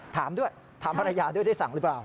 ถามภรรยาด้วยได้สั่งหรือเปล่า